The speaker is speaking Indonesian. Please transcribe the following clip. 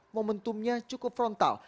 momentumnya cukup frontal